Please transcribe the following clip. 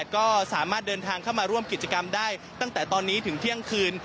ก็สามารถเดินทางเข้ามาร่วมกิจกรรมได้ตั้งแต่ตอนนี้ถึงเที่ยงคืน